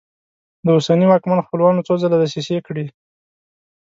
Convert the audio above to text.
د اوسني واکمن خپلوانو څو ځله دسیسې کړي.